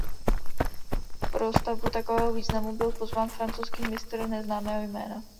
Pro stavbu takového významu byl pozván francouzský mistr neznámého jména.